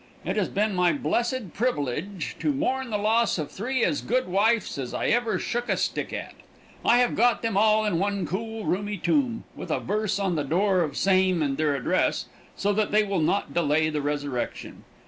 It has been my blessed privilidge to mourn the loss of three as good wives as I ever shook a stick at. I have got them all in one cool, roomy toom, with a verse on the door of same and their address, so that they will not delay the resurrection.